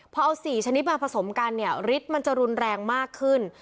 พอเอา๔ชนิดมาผสมกันเนี่ยฤทธิ์มันจะรุนแรงมากขึ้น